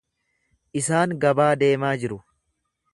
Isaan gabaa deemaa jiru.